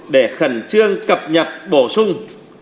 để khẩn trương cập nhật bổ sung